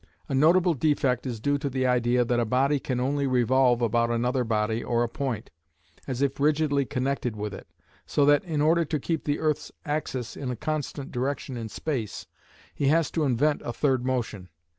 A notable defect is due to the idea that a body can only revolve about another body or a point, as if rigidly connected with it, so that, in order to keep the earth's axis in a constant direction in space, he has to invent a third motion.